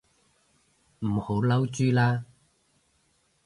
唔好嬲豬啦